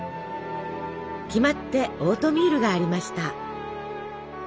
決まってオートミールがありました。